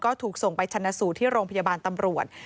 ก็ถูกส่งไปชนะสูตรที่โรงพยาบาลตำรวจ